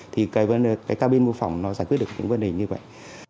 thì cái cabin mô phỏng nó giải quyết được những vấn đề như vậy